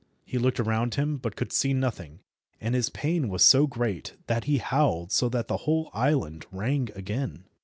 He looked around him but could see nothing, and his pain was so great that he howled so that the whole island rang again.